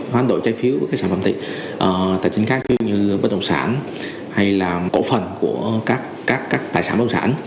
hoãn đổi trái phiếu của các sản phẩm tài chính khác như bất đồng sản hay là cổ phần của các tài sản bất đồng sản